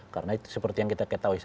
karena seperti yang kita ketahui